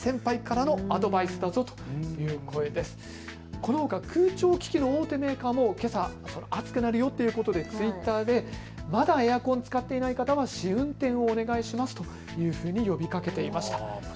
このほか空調機器の大手メーカーもけさ暑くなるよということでＴｗｉｔｔｅｒでまだエアコン使っていない方は試運転をお願いしますというふうに呼びかけていました。